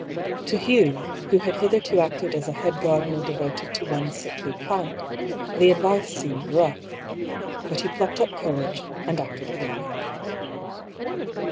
To Hugh, who had hitherto acted as a head gardener devoted to one sickly plant, the advice seemed rough« But he plucked up courage, and acted upon it.